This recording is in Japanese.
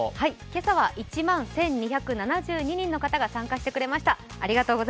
今朝は１万１２７２人の方が参加してくださいました。